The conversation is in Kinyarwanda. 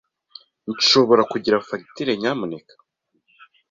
Nshobora kugira fagitire, nyamuneka?